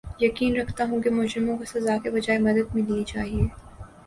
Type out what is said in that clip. یقین رکھتا ہوں کہ مجرموں کو سزا کے بجاے مدد ملنی چاھیے